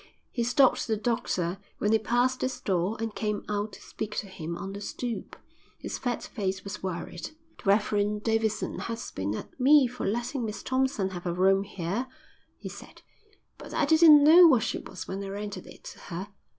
He stopped the doctor when he passed the store and came out to speak to him on the stoop. His fat face was worried. "The Rev. Davidson has been at me for letting Miss Thompson have a room here," he said, "but I didn't know what she was when I rented it to her.